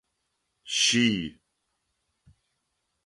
Шъий.